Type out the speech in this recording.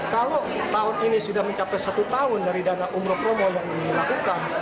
kalau tahun ini sudah mencapai satu tahun dari dana umroh promo yang dilakukan